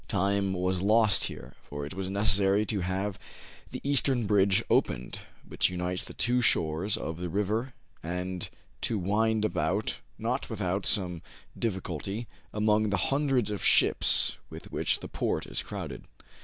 Time was lost here; for it was necessary to have the eastern bridge opened, which unites the two shores of the river, and to wind about, not without some diffi culty, among the hundreds of ships with which the port is crowded.